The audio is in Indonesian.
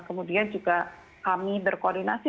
kemudian juga kami berkoordinasi